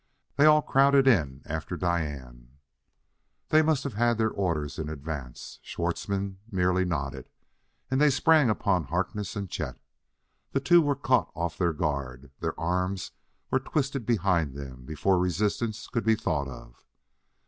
They all crowded in after Diane. They must have had their orders in advance; Schwartzmann merely nodded, and they sprang upon Harkness and Chet. The two were caught off their guard; their arms were twisted behind them before resistance could be thought of.